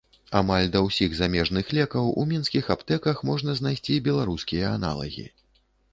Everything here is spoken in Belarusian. Амаль да ўсіх замежных лекаў у мінскіх аптэках можна знайсці беларускія аналагі.